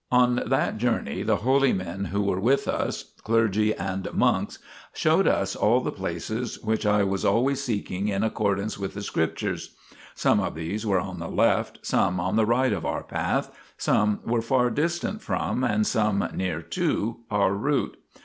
On that journey the holy men who were with us, clergy and monks, showed us all the places which I was always seeking in accordance with the Scriptures ; some of these were on the left, some on the right of our path, some were far distant from, and some near to our route.